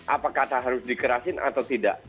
apakah harus dikerasin atau tidak